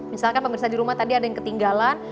misalkan pemirsa di rumah tadi ada yang ketinggalan